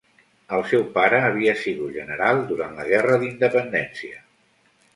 El seu pare havia sigut general durant la Guerra d'Independència.